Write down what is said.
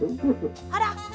あら！